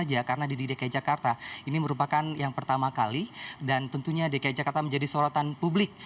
karena di dki jakarta ini merupakan yang pertama kali dan tentunya dki jakarta menjadi sorotan publik